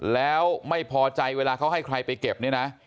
แล้วไม่พอใจเวลาเขาให้ใครไปเก็บเนี่ยนะ